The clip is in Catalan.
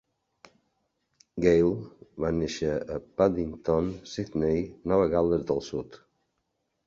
Gale va néixer a Paddington, Sydney, Nova Gal·les del Sud.